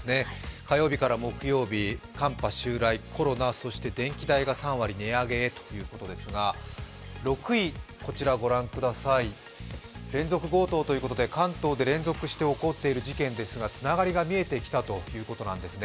火曜日から木曜日、寒波襲来、コロナ、そして電気代が３割値上げへということですが、６位、こちら連続強盗ということで関東で連続して起こっている事件ですがつながりが見えてきたということなんですね。